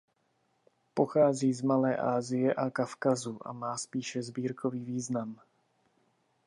Pochází z Malé Asie a Kavkazu a má spíše sbírkový význam.